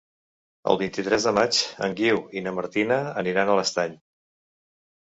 El vint-i-tres de maig en Guiu i na Martina aniran a l'Estany.